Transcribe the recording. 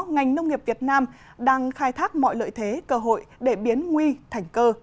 ngành nông nghiệp việt nam đang khai thác mọi lợi thế cơ hội để biến nguy thành cơ